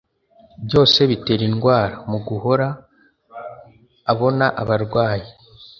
byose bitera indwara. Mu guhora abona abarwayi